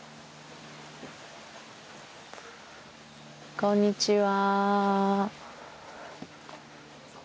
こんにちは。